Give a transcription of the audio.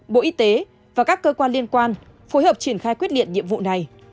bộ y tế và các cơ quan liên quan phối hợp triển khai quyết liệt nhiệm vụ này